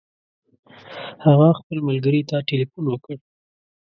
هغه خپل ملګري ته تلیفون وکړ.